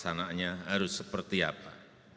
dan pelaksananya harus seperti apa